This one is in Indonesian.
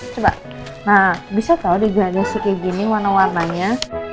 coba bisa tahu di gejala sih kayak gini warna warnanya